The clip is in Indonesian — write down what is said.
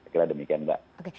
kira demikian mbak